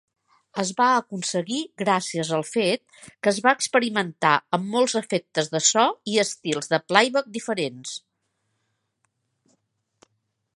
Es va aconseguir gràcies al fet que es va experimentar amb molts efectes de so i estils de playback diferents.